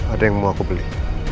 ada yang mau aku beli